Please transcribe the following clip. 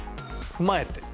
踏まえて？